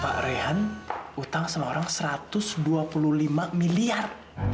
pak rehan utang seorang satu ratus dua puluh lima miliar